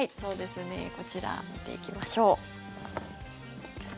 こちら見ていきましょう。